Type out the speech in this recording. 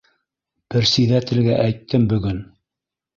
Персиҙәтелгә әйттем бөгөн.